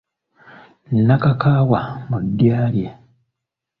Nnakakaawa mu ddya lye